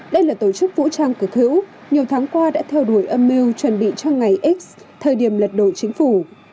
đây là tổ chức vũ trang cực hữu nhiều tháng qua đã theo đuổi âm mưu chuẩn bị cho ngày x thời điểm lật đội chính phủ